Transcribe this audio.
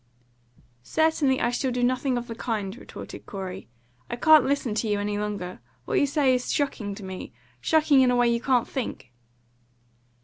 "Certainly I shall do nothing of the kind," retorted Corey. "I can't listen to you any longer. What you say is shocking to me shocking in a way you can't think."